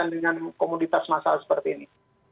dengan komunitas masalah seperti ini